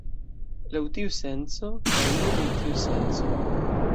Laŭ tiu senco, kaj nur en tiu senco.